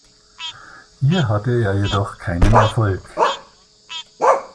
Hier hatte er jedoch keinen Erfolg.